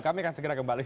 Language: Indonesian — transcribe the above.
kami akan segera kembali